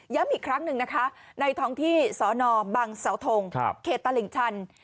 อีกครั้งหนึ่งนะคะในท้องที่สนบังเสาทงเขตตลิ่งชัน